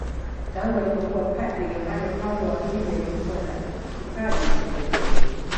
Tangu alipokuwa padri Yohane Paulo wa pili alikuwa na kipaji cha pekee